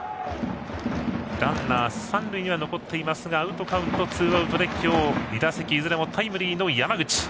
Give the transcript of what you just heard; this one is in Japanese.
ランナー三塁には残っていますがアウトカウントはツーアウトで今日２打席いずれもタイムリーの山口。